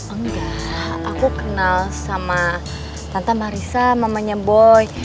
enggak aku kenal sama tante marisa mamanya boy